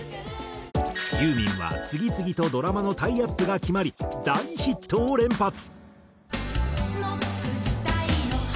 ユーミンは次々とドラマのタイアップが決まり大ヒットを連発。